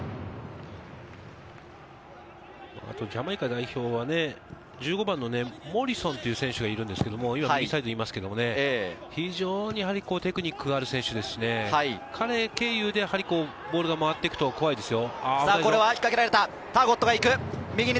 ジャマイカ代表は１５番のモリソンという選手がいるんですけれども、非常にテクニックがある選手ですし、彼経由でボールが回って行くと怖いですよ。